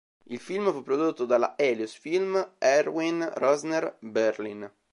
Il film fu prodotto dalla Helios-Film Erwin Rosner, Berlin.